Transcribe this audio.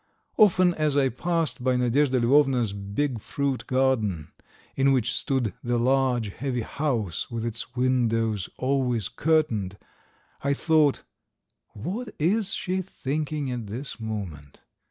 Often as I passed by Nadyezhda Lvovna's big fruit garden, in which stood the large, heavy house with its windows always curtained, I thought: "What is she thinking at this moment?